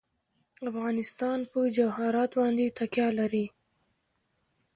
افغانستان په جواهرات باندې تکیه لري.